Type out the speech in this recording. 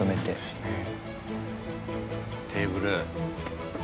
テーブル。